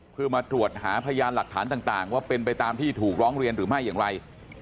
เพื่อมาตรวจหาพยานหลักฐานต่างว่าเป็นไปตามที่ถูกร้องเรียนหรือไม่อย่างไร